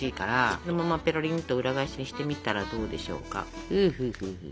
そのままぺろりんと裏返しにしてみたらどうでしょうか。